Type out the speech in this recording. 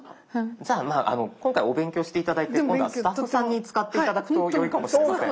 じゃあまあ今回お勉強して頂いて今度はスタッフさんに使って頂くと良いかもしれません。